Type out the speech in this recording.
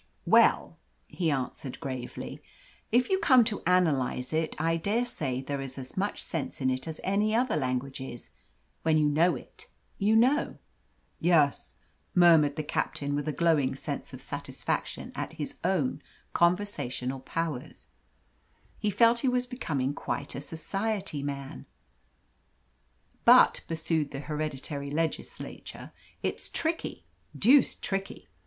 "Well," he answered gravely, "if you come to analyse it, I dare say there is as much sense in it as in other languages when you know it, you know." "Yes," murmured the captain, with a glowing sense of satisfaction at his own conversational powers. He felt he was becoming quite a society man. "But," pursued the hereditary legislator, "it's tricky deuced tricky.